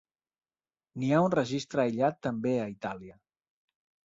N'hi ha un registre aïllat també a Itàlia.